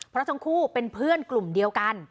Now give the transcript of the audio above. เพราะทั้งคู่เป็นเพื่อนกลุ่มเดียวกัน